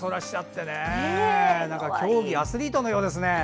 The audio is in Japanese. アスリートのようですね。